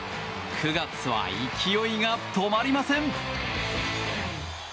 ９月は勢いが止まりません。